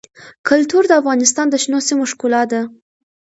کلتور د افغانستان د شنو سیمو ښکلا ده.